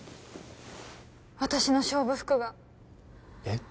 私の勝負服がえっ？